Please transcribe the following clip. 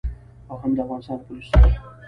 او هم د افغانستان له پوليسو سره.